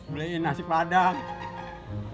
beliin nasi padang